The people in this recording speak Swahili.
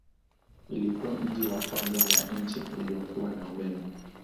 Ilikuwa mji wa kwanza wa nchi uliokuwa na umeme.